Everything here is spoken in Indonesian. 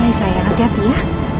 baiklah sayang hati hati ya